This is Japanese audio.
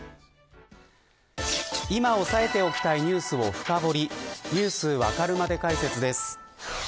今押さえておきたいニュースを深掘りニュースわかるまで解説です。